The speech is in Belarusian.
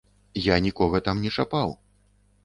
Я нікога там не чапаў!